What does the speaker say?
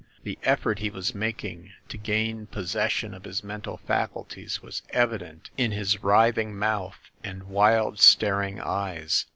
The effort he was mak ing to gain possession of his mental faculties was evi dent in his writhing mouth and wild staring eyes.